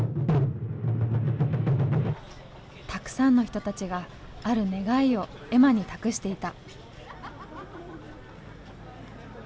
たくさんの人たちがある願いを絵馬に託していた。